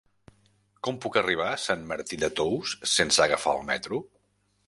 Com puc arribar a Sant Martí de Tous sense agafar el metro?